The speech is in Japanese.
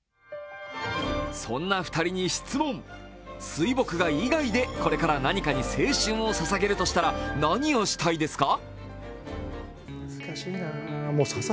水墨画以外でこれから何かに青春をささげるとしたら何をしたいですか。